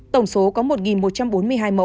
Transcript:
tổng số có một một trăm bốn mươi hai mẫu